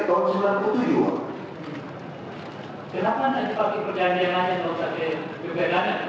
orang orang di lokasi kita bareng kok pak